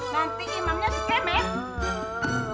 nanti imamnya sekemet